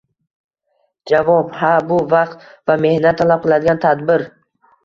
Javob: «Ha, bu vaqt va mehnat talab qiladigan tadbir